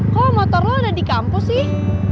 kok motor lo ada di kampus sih